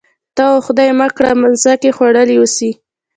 ته وا خدای مه کړه مځکې خوړلي اوسي.